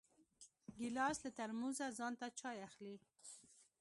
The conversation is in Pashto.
ګیلاس له ترموزه ځان ته چای اخلي.